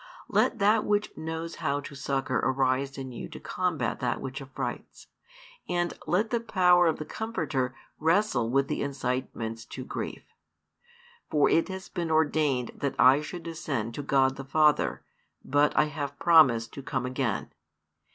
Let that which knows how to succour arise in you to combat that which affrights: and let the power of the Comforter wrestle with the incitements to grief. For it has been ordained that I should ascend to God the Father, but I have promised to come again.